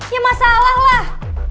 ya masalah lah